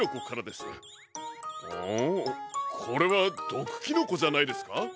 これはどくキノコじゃないですか？